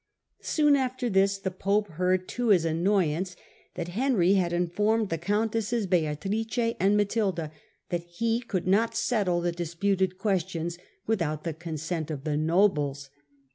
Soon after this, the pope heard, to his annoyance, that Henry had informed the countesses Beatrice and Matilda that he could not settle the disputed questions without the consent of the nobles.